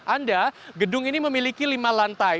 anda gedung ini memiliki lima lantai